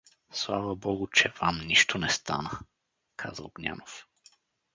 — Слава богу, че вам нищо не стана — каза Огнянов.